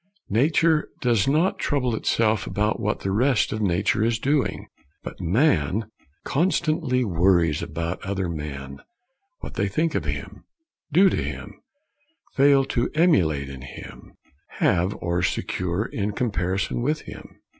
Nature does not trouble itself about what the rest of nature is doing. But man constantly worries about other men what they think of him, do to him, fail to emulate in him, have or secure in comparison with him.